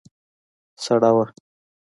سړه وه.